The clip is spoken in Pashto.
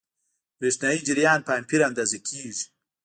برېښنايي جریان په امپیر اندازه کېږي.